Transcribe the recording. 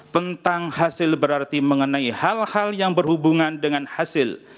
tentang hasil berarti mengenai hal hal yang berhubungan dengan hasil